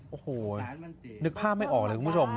โอ้โหนึกภาพไม่ออกเลยคุณผู้ชม